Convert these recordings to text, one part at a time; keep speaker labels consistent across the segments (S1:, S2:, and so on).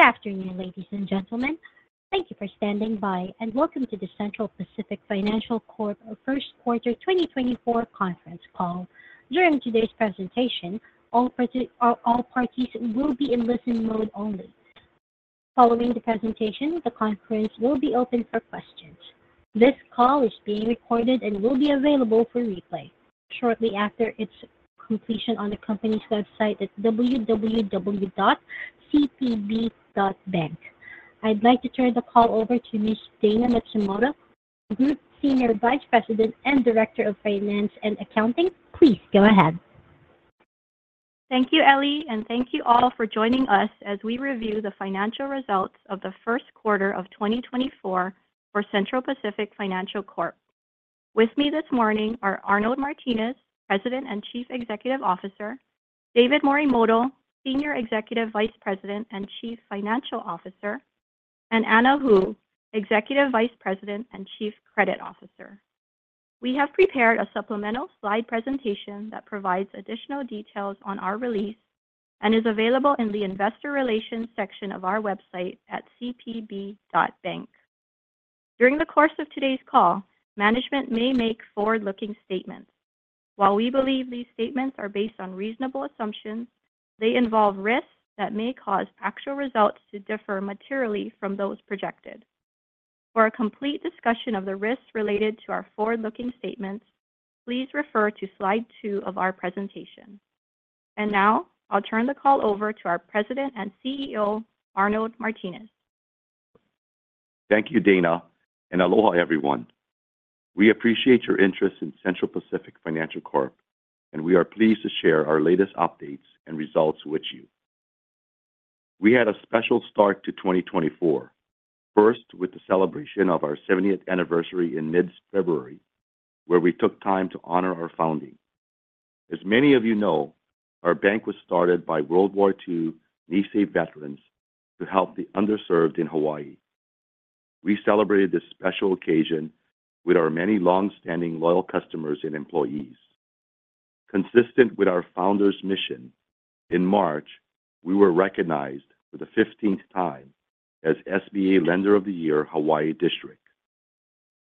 S1: Good afternoon, ladies and gentlemen. Thank you for standing by, and welcome to the Central Pacific Financial Corp first quarter 2024 conference call. During today's presentation, all parties will be in listen mode only. Following the presentation, the conference will be open for questions. This call is being recorded and will be available for replay shortly after its completion on the company's website at www.cpb.bank. I'd like to turn the call over to Ms. Dayna Matsumoto, Group Senior Vice President and Director of Finance and Accounting. Please go ahead.
S2: Thank you, Ellie, and thank you all for joining us as we review the financial results of the first quarter of 2024 for Central Pacific Financial Corp. With me this morning are Arnold Martines, President and Chief Executive Officer; David Morimoto, Senior Executive Vice President and Chief Financial Officer; and Anna Hu, Executive Vice President and Chief Credit Officer. We have prepared a supplemental slide presentation that provides additional details on our release and is available in the Investor Relations section of our website at cpb.bank. During the course of today's call, management may make forward-looking statements. While we believe these statements are based on reasonable assumptions, they involve risks that may cause actual results to differ materially from those projected. For a complete discussion of the risks related to our forward-looking statements, please refer to slide 2 of our presentation. Now I'll turn the call over to our President and CEO, Arnold Martines.
S3: Thank you, Dayna, and aloha everyone. We appreciate your interest in Central Pacific Financial Corp., and we are pleased to share our latest updates and results with you. We had a special start to 2024, first with the celebration of our 70th anniversary in mid-February, where we took time to honor our founding. As many of you know, our bank was started by World War II Nisei veterans to help the underserved in Hawaii. We celebrated this special occasion with our many longstanding loyal customers and employees. Consistent with our founder's mission, in March we were recognized for the 15th time as SBA Lender of the Year Hawaii District.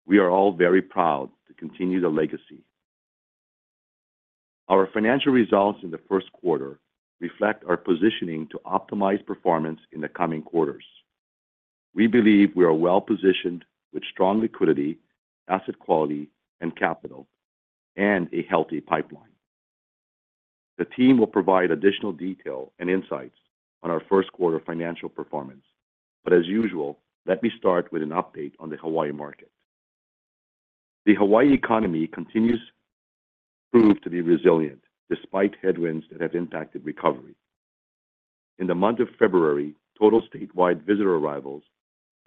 S3: We are all very proud to continue the legacy. Our financial results in the first quarter reflect our positioning to optimize performance in the coming quarters. We believe we are well-positioned with strong liquidity, asset quality, and capital, and a healthy pipeline. The team will provide additional detail and insights on our first quarter financial performance, but as usual, let me start with an update on the Hawaii market. The Hawaii economy continues to prove to be resilient despite headwinds that have impacted recovery. In the month of February, total statewide visitor arrivals,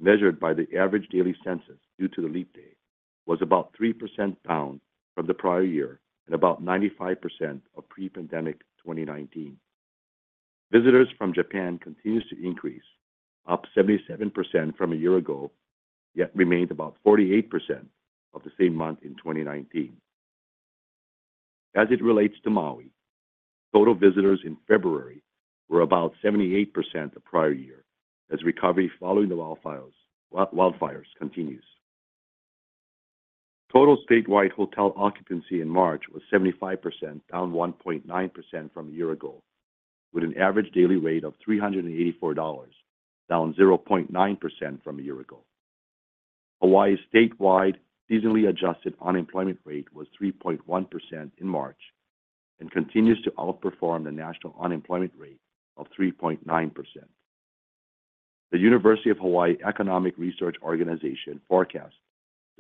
S3: measured by the average daily census due to the leap day, was about 3% down from the prior year and about 95% of pre-pandemic 2019. Visitors from Japan continues to increase, up 77% from a year ago, yet remained about 48% of the same month in 2019. As it relates to Maui, total visitors in February were about 78% the prior year as recovery following the wildfires continues. Total statewide hotel occupancy in March was 75%, down 1.9% from a year ago, with an average daily rate of $384, down 0.9% from a year ago. Hawaii's statewide seasonally adjusted unemployment rate was 3.1% in March and continues to outperform the national unemployment rate of 3.9%. The University of Hawaii Economic Research Organization forecasts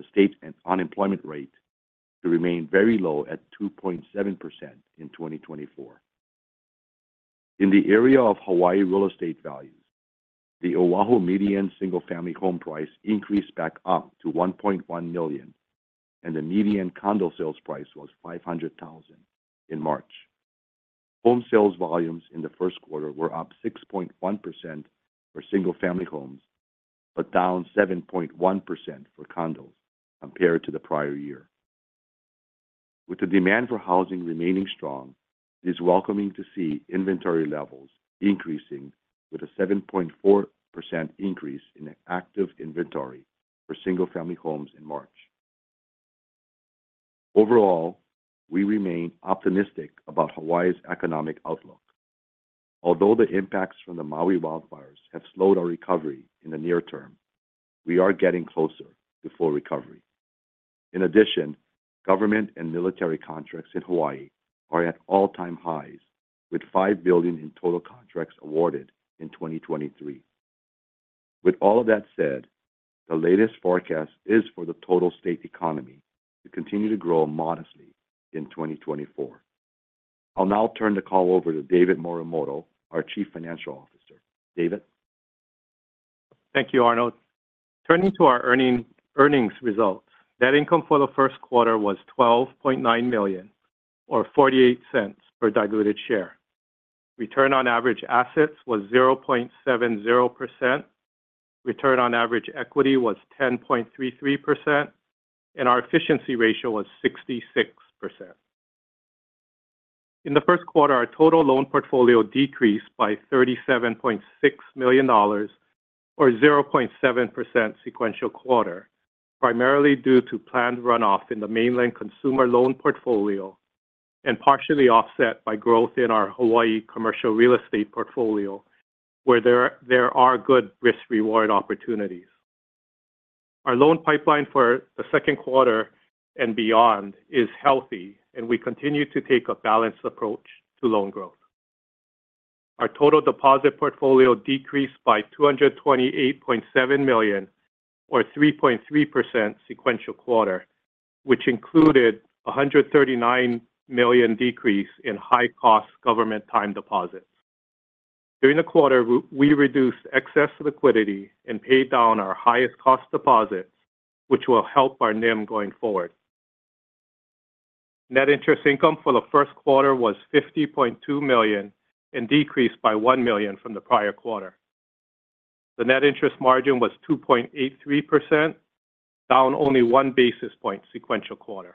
S3: the state's unemployment rate to remain very low at 2.7% in 2024. In the area of Hawaii real estate values, the Oahu median single-family home price increased back up to $1.1 million, and the median condo sales price was $500,000 in March. Home sales volumes in the first quarter were up 6.1% for single-family homes but down 7.1% for condos compared to the prior year. With the demand for housing remaining strong, it is welcome to see inventory levels increasing with a 7.4% increase in active inventory for single-family homes in March. Overall, we remain optimistic about Hawaii's economic outlook. Although the impacts from the Maui wildfires have slowed our recovery in the near term, we are getting closer to full recovery. In addition, government and military contracts in Hawaii are at all-time highs, with $5 billion in total contracts awarded in 2023. With all of that said, the latest forecast is for the total state economy to continue to grow modestly in 2024. I'll now turn the call over to David Morimoto, our Chief Financial Officer. David?
S4: Thank you, Arnold. Turning to our earnings results. Net income for the first quarter was $12.9 million, or $0.48 per diluted share. Return on average assets was 0.70%, return on average equity was 10.33%, and our efficiency ratio was 66%. In the first quarter, our total loan portfolio decreased by $37.6 million, or 0.7% sequential quarter, primarily due to planned runoff in the mainland consumer loan portfolio and partially offset by growth in our Hawaii commercial real estate portfolio, where there are good risk-reward opportunities. Our loan pipeline for the second quarter and beyond is healthy, and we continue to take a balanced approach to loan growth. Our total deposit portfolio decreased by $228.7 million, or 3.3% sequential quarter, which included a $139 million decrease in high-cost government time deposits. During the quarter, we reduced excess liquidity and paid down our highest-cost deposits, which will help our NIM going forward. Net Interest Income for the first quarter was $50.2 million and decreased by $1 million from the prior quarter. The net interest margin was 2.83%, down only one basis point sequential quarter.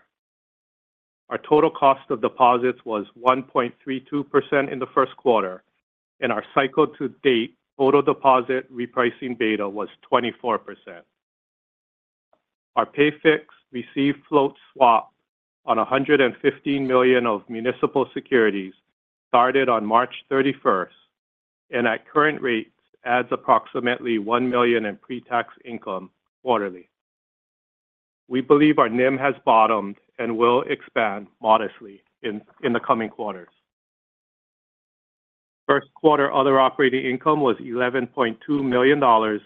S4: Our total cost of deposits was 1.32% in the first quarter, and our Cycle-to-Date Deposit Repricing Beta was 24%. Our Pay Fixed Receive Float Swap on $115 million of municipal securities started on March 31st and, at current rates, adds approximately $1 million in pretax income quarterly. We believe our NIM has bottomed and will expand modestly in the coming quarters. First quarter other operating income was $11.2 million,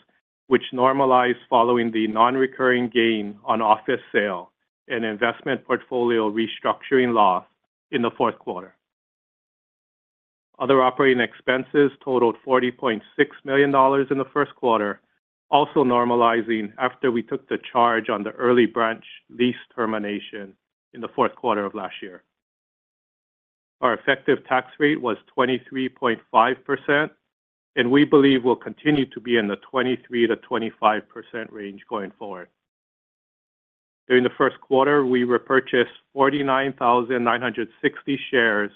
S4: which normalized following the non-recurring gain on office sale and investment portfolio restructuring loss in the fourth quarter. Other operating expenses totaled $40.6 million in the first quarter, also normalizing after we took the charge on the early branch lease termination in the fourth quarter of last year. Our effective tax rate was 23.5%, and we believe will continue to be in the 23%-25% range going forward. During the first quarter, we repurchased 49,960 shares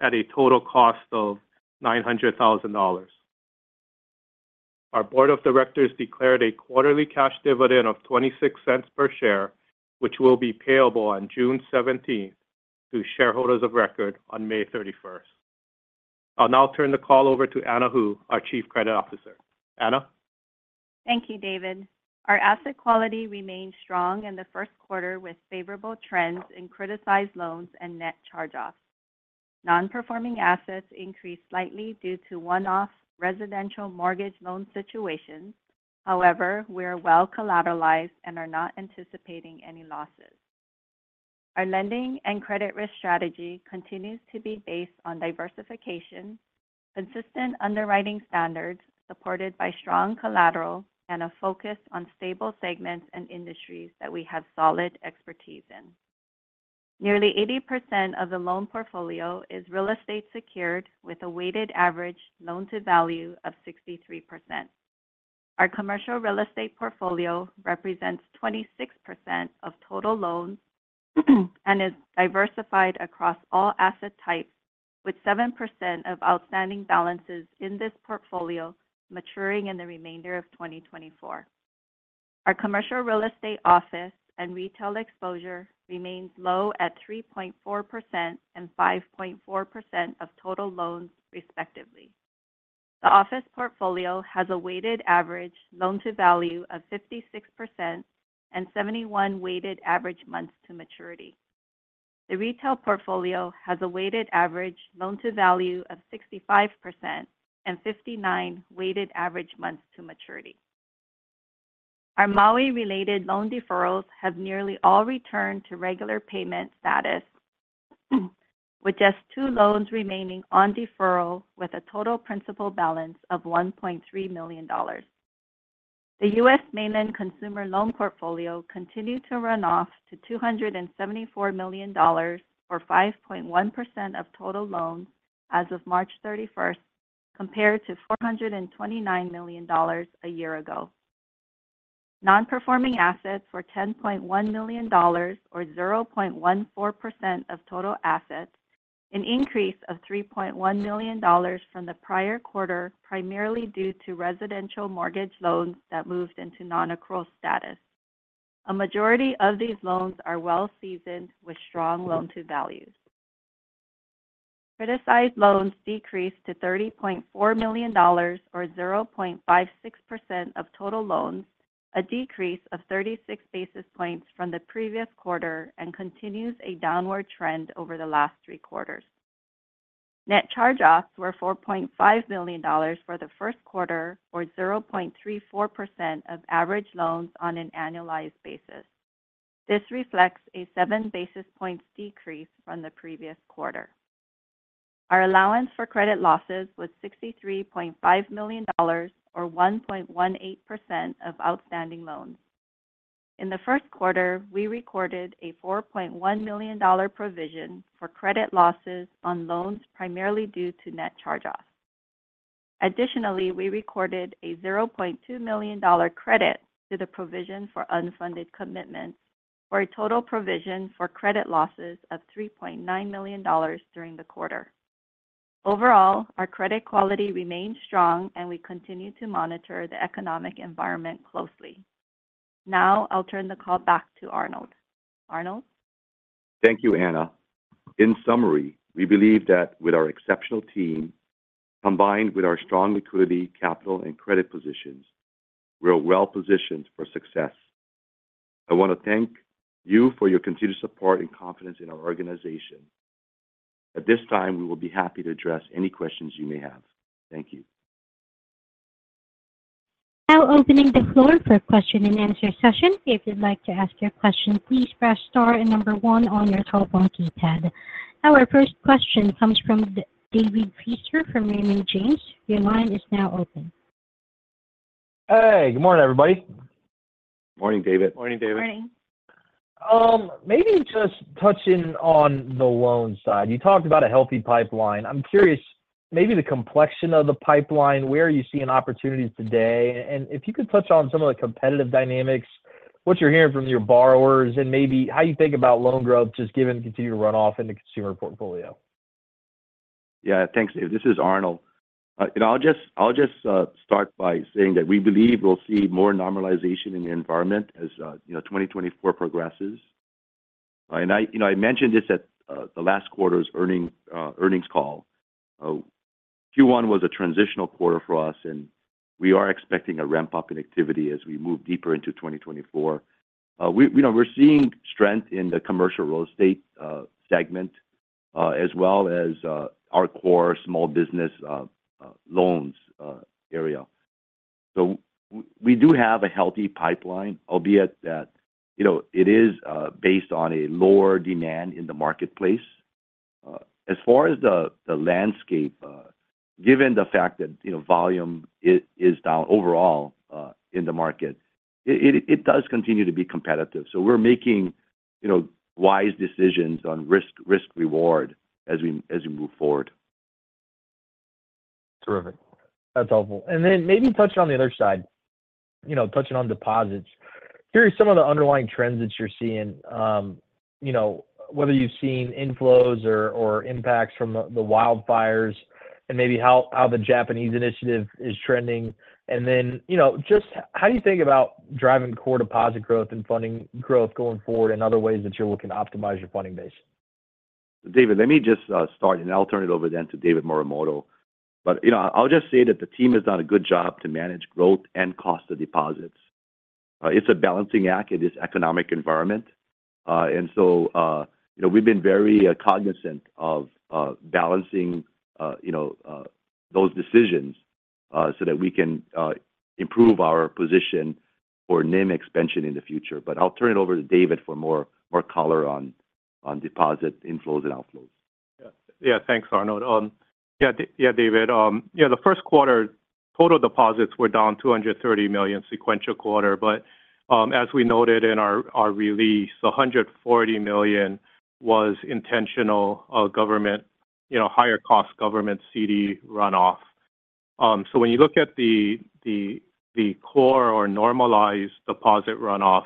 S4: at a total cost of $900,000. Our board of directors declared a quarterly cash dividend of $0.26 per share, which will be payable on June 17th to shareholders of record on May 31st. I'll now turn the call over to Anna Hu, our Chief Credit Officer. Anna?
S1: Thank you, David. Our asset quality remained strong in the first quarter with favorable trends in criticized loans and net charge-offs. Non-performing assets increased slightly due to one-off residential mortgage loan situations. However, we are well-collateralized and are not anticipating any losses. Our lending and credit risk strategy continues to be based on diversification, consistent underwriting standards supported by strong collateral, and a focus on stable segments and industries that we have solid expertise in. Nearly 80% of the loan portfolio is real estate secured with a weighted average loan-to-value of 63%. Our commercial real estate portfolio represents 26% of total loans and is diversified across all asset types, with 7% of outstanding balances in this portfolio maturing in the remainder of 2024. Our commercial real estate office and retail exposure remains low at 3.4% and 5.4% of total loans, respectively. The office portfolio has a weighted average loan-to-value of 56% and 71 weighted average months to maturity. The retail portfolio has a weighted average loan-to-value of 65% and 59 weighted average months to maturity. Our Maui-related loan deferrals have nearly all returned to regular payment status, with just two loans remaining on deferral with a total principal balance of $1.3 million. The U.S. mainland consumer loan portfolio continued to run off to $274 million, or 5.1% of total loans as of March 31st, compared to $429 million a year ago. Non-performing assets were $10.1 million, or 0.14% of total assets, an increase of $3.1 million from the prior quarter primarily due to residential mortgage loans that moved into non-accrual status. A majority of these loans are well-seasoned with strong loan-to-values. Criticized loans decreased to $30.4 million, or 0.56% of total loans, a decrease of 36 basis points from the previous quarter, and continues a downward trend over the last three quarters. Net charge-offs were $4.5 million for the first quarter, or 0.34% of average loans on an annualized basis. This reflects a seven basis points decrease from the previous quarter. Our allowance for credit losses was $63.5 million, or 1.18% of outstanding loans. In the first quarter, we recorded a $4.1 million provision for credit losses on loans primarily due to net charge-offs. Additionally, we recorded a $0.2 million credit to the provision for unfunded commitments for a total provision for credit losses of $3.9 million during the quarter. Overall, our credit quality remained strong, and we continue to monitor the economic environment closely. Now I'll turn the call back to Arnold. Arnold?
S3: Thank you, Anna. In summary, we believe that, with our exceptional team, combined with our strong liquidity, capital, and credit positions, we are well-positioned for success. I want to thank you for your continued support and confidence in our organization. At this time, we will be happy to address any questions you may have. Thank you.
S5: Now opening the floor for a question-and-answer session. If you'd like to ask your question, please press star and number one on your telephone keypad. Our first question comes from David Feaster from Raymond James. Your line is now open.
S6: Hey. Good morning, everybody.
S3: Morning, David.
S4: Morning, David.
S1: Morning.
S6: Maybe just touching on the loan side. You talked about a healthy pipeline. I'm curious, maybe the complexion of the pipeline, where are you seeing opportunities today? And if you could touch on some of the competitive dynamics, what you're hearing from your borrowers, and maybe how you think about loan growth just given the continued runoff in the consumer portfolio.
S3: Yeah. Thanks, David. This is Arnold. I'll just start by saying that we believe we'll see more normalization in the environment as 2024 progresses. I mentioned this at the last quarter's earnings call. Q1 was a transitional quarter for us, and we are expecting a ramp-up in activity as we move deeper into 2024. We're seeing strength in the commercial real estate segment as well as our core small business loans area. We do have a healthy pipeline, albeit that it is based on a lower demand in the marketplace. As far as the landscape, given the fact that volume is down overall in the market, it does continue to be competitive. We're making wise decisions on risk-reward as we move forward.
S4: Terrific. That's helpful. And then maybe touching on the other side, touching on deposits, here are some of the underlying trends that you're seeing, whether you've seen inflows or impacts from the wildfires and maybe how the Japanese initiative is trending. And then just how do you think about driving core deposit growth and funding growth going forward in other ways that you're looking to optimize your funding base?
S3: David, let me just start, and I'll turn it over then to David Morimoto. But I'll just say that the team has done a good job to manage growth and cost of deposits. It's a balancing act in this economic environment. And so we've been very cognizant of balancing those decisions so that we can improve our position for NIM expansion in the future. But I'll turn it over to David for more color on deposit inflows and outflows.
S4: Yeah. Thanks, Arnold. Yeah, David. Yeah, the first quarter, total deposits were down $230 million sequential quarter. But as we noted in our release, $140 million was intentional higher-cost government CD runoff. So when you look at the core or normalized deposit runoff,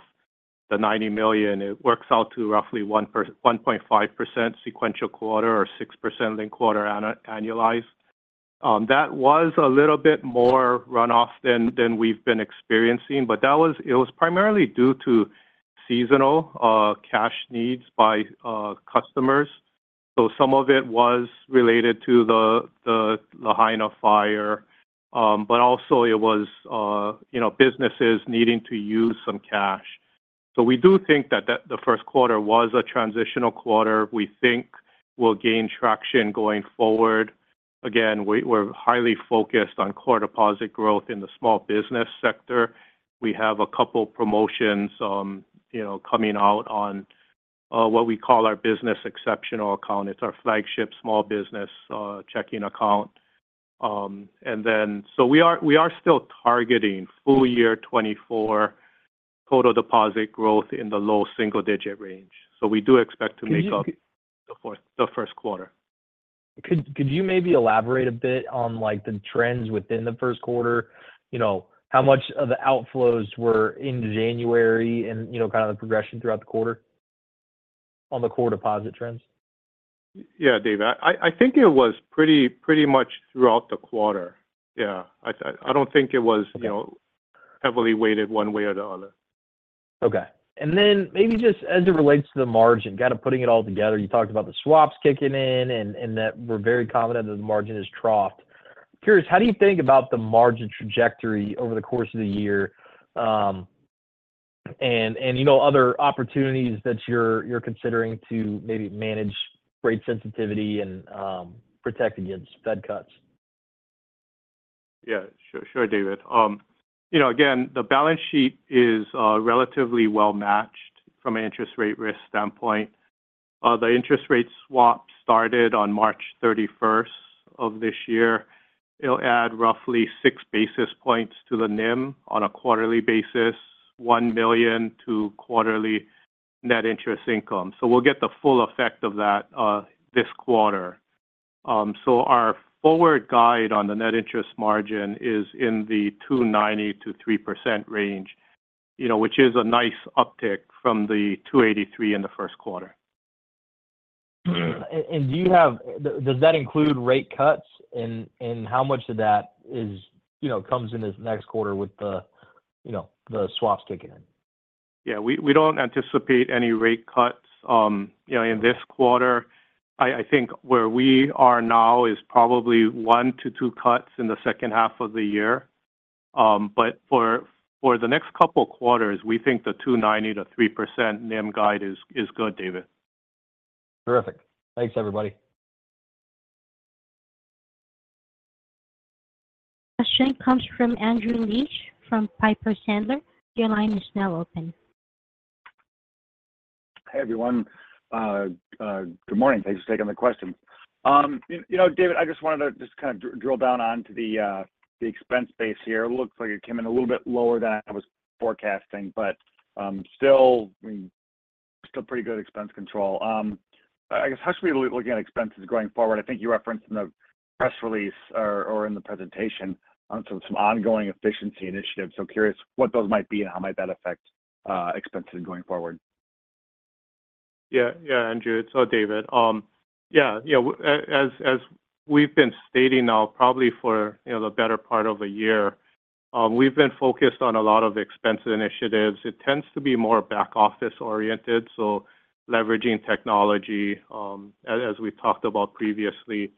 S4: the $90 million, it works out to roughly 1.5% sequential quarter or 6% linked quarter annualized. That was a little bit more runoff than we've been experiencing, but it was primarily due to seasonal cash needs by customers. So some of it was related to the Lahaina fire, but also it was businesses needing to use some cash. So we do think that the first quarter was a transitional quarter. We think we'll gain traction going forward. Again, we're highly focused on core deposit growth in the small business sector. We have a couple of promotions coming out on what we call our Business Exceptional account. It's our flagship small business checking account. We are still targeting full year 2024 total deposit growth in the low single-digit range. So we do expect to make up the first quarter. Could you maybe elaborate a bit on the trends within the first quarter, how much of the outflows were in January and kind of the progression throughout the quarter on the core deposit trends? Yeah, David. I think it was pretty much throughout the quarter. Yeah. I don't think it was heavily weighted one way or the other. Okay. And then maybe just as it relates to the margin, kind of putting it all together, you talked about the swaps kicking in and that we're very confident that the margin is troughed. Curious, how do you think about the margin trajectory over the course of the year and other opportunities that you're considering to maybe manage rate sensitivity and protect against Fed cuts?
S6: Yeah. Sure, David. Again, the balance sheet is relatively well-matched from an interest rate risk standpoint. The interest rate swap started on March 31st of this year. It'll add roughly 6 basis points to the NIM on a quarterly basis, $1 million to quarterly net interest income. So we'll get the full effect of that this quarter. So our forward guide on the net interest margin is in the 2.90%-3% range, which is a nice uptick from the 2.83% in the first quarter.
S4: Does that include rate cuts, and how much of that comes in this next quarter with the swaps kicking in?
S6: Yeah. We don't anticipate any rate cuts in this quarter. I think where we are now is probably 1-2 cuts in the second half of the year. But for the next couple of quarters, we think the 2.90%-3% NIM guide is good, David.
S4: Terrific. Thanks, everybody.
S5: Question comes from Andrew Liesch from Piper Sandler. Your line is now open.
S7: Hey, everyone. Good morning. Thanks for taking the questions. David, I just wanted to just kind of drill down onto the expense base here. It looks like it came in a little bit lower than I was forecasting, but still pretty good expense control. I guess, how should we be looking at expenses going forward? I think you referenced in the press release or in the presentation some ongoing efficiency initiatives. So curious what those might be and how might that affect expenses going forward.
S4: Yeah. Yeah, Andrew. It's all David. Yeah. As we've been stating now, probably for the better part of a year, we've been focused on a lot of expense initiatives. It tends to be more back-office-oriented, so leveraging technology. As we talked about previously,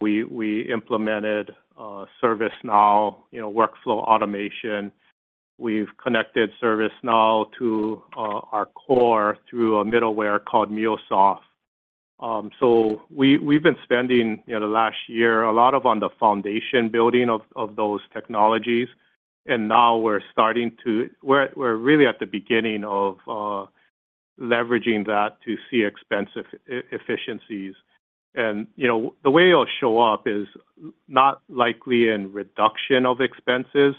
S4: we implemented ServiceNow, workflow automation. We've connected ServiceNow to our core through a middleware called MuleSoft. So we've been spending the last year a lot of on the foundation building of those technologies. And now we're starting to really at the beginning of leveraging that to see expense efficiencies. And the way it'll show up is not likely in reduction of expenses,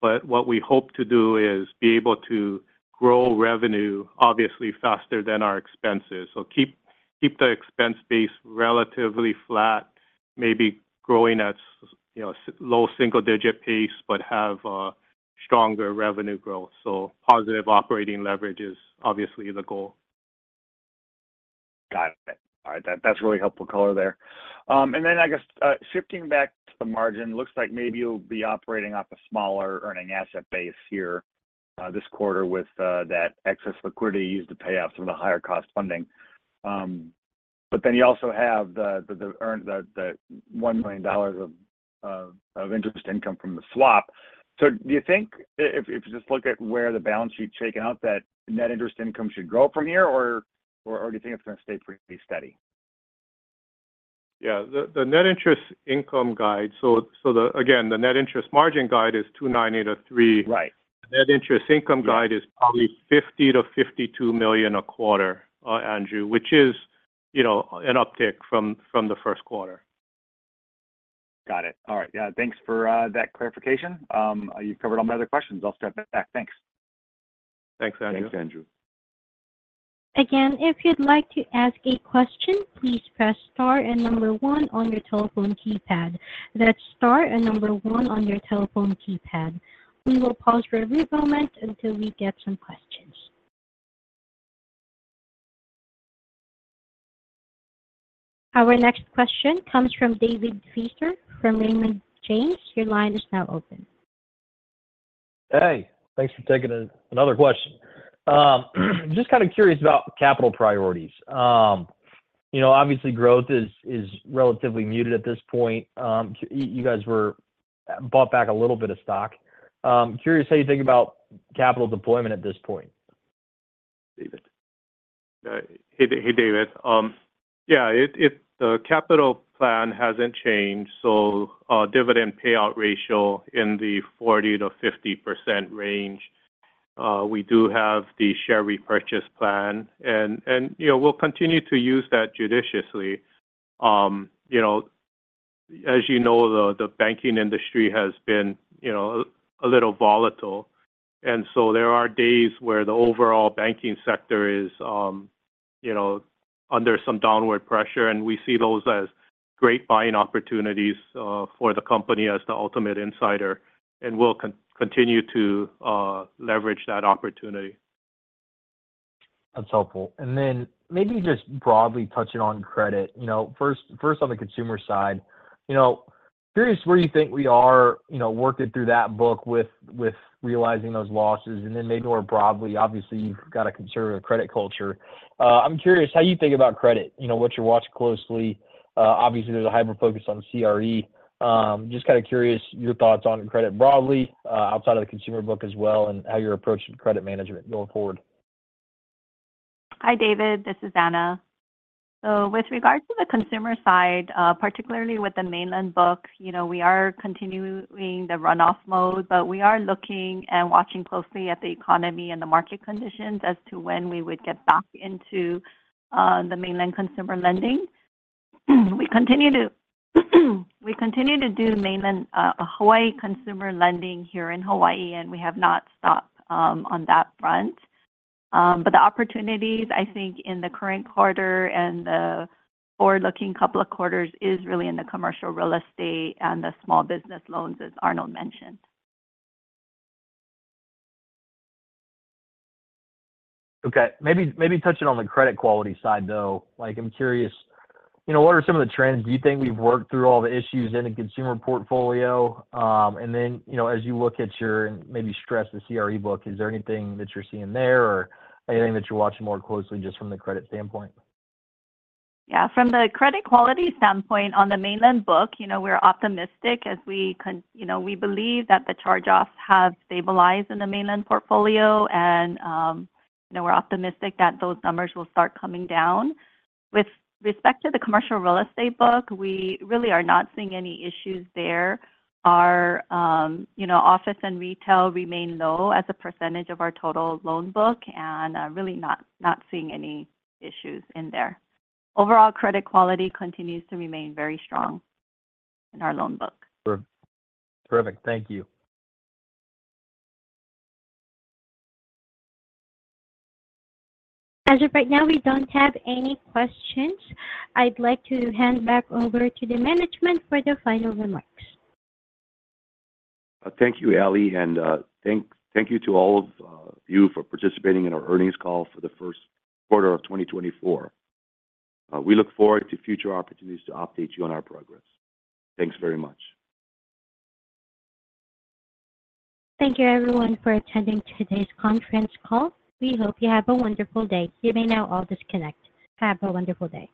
S4: but what we hope to do is be able to grow revenue, obviously, faster than our expenses. So keep the expense base relatively flat, maybe growing at low single-digit pace, but have stronger revenue growth. So positive operating leverage is obviously the goal.
S7: Got it. All right. That's really helpful color there. And then I guess shifting back to the margin, looks like maybe you'll be operating off a smaller earning asset base here this quarter with that excess liquidity used to pay off some of the higher-cost funding. But then you also have the $1 million of interest income from the swap. So do you think if you just look at where the balance sheet's shaken out, that net interest income should grow from here, or do you think it's going to stay pretty steady?
S4: Yeah. The net interest income guide, so again, the net interest margin guide is 2.98%-3%. The net interest income guide is probably $50 million-$52 million a quarter, Andrew, which is an uptick from the first quarter.
S7: Got it. All right. Yeah. Thanks for that clarification. You've covered all my other questions. I'll step back. Thanks.
S4: Thanks, Andrew.
S3: Thanks, Andrew.
S5: Again, if you'd like to ask a question, please press star and number one on your telephone keypad. That's star and number 1 on your telephone keypad. We will pause for a brief moment until we get some questions. Our next question comes from David Feaster from Raymond James. Your line is now open.
S6: Hey. Thanks for taking another question. Just kind of curious about capital priorities. Obviously, growth is relatively muted at this point. You guys were bought back a little bit of stock. Curious how you think about capital deployment at this point.
S4: David. Hey, David. Yeah. The capital plan hasn't changed, so dividend payout ratio in the 40%-50% range. We do have the share repurchase plan, and we'll continue to use that judiciously. As you know, the banking industry has been a little volatile. And so there are days where the overall banking sector is under some downward pressure, and we see those as great buying opportunities for the company as the ultimate insider. And we'll continue to leverage that opportunity.
S7: That's helpful. And then maybe just broadly touching on credit, first on the consumer side, curious where you think we are working through that book with realizing those losses. And then maybe more broadly, obviously, you've got a conservative credit culture. I'm curious how you think about credit, what you're watching closely. Obviously, there's a hyper-focus on CRE. Just kind of curious your thoughts on credit broadly outside of the consumer book as well and how you're approaching credit management going forward?
S1: Hi, David. This is Anna. So with regard to the consumer side, particularly with the mainland book, we are continuing the runoff mode, but we are looking and watching closely at the economy and the market conditions as to when we would get back into the mainland consumer lending. We continue to do mainland Hawaii consumer lending here in Hawaii, and we have not stopped on that front. But the opportunities, I think, in the current quarter and the forward-looking couple of quarters is really in the commercial real estate and the small business loans, as Arnold mentioned.
S4: Okay. Maybe touching on the credit quality side, though, I'm curious, what are some of the trends? Do you think we've worked through all the issues in the consumer portfolio? And then as you look at your and maybe stress the CRE book, is there anything that you're seeing there or anything that you're watching more closely just from the credit standpoint?
S1: Yeah. From the credit quality standpoint, on the mainland book, we're optimistic as we believe that the charge-offs have stabilized in the mainland portfolio, and we're optimistic that those numbers will start coming down. With respect to the commercial real estate book, we really are not seeing any issues there. Our office and retail remain low as a percentage of our total loan book and really not seeing any issues in there. Overall, credit quality continues to remain very strong in our loan book.
S4: Terrific. Thank you.
S5: As of right now, we don't have any questions. I'd like to hand back over to the management for the final remarks.
S3: Thank you, Allie. Thank you to all of you for participating in our earnings call for the first quarter of 2024. We look forward to future opportunities to update you on our progress. Thanks very much.
S5: Thank you, everyone, for attending today's conference call. We hope you have a wonderful day. You may now all disconnect. Have a wonderful day.